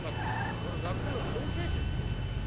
これ『学校の先生』って言ってるんだよ。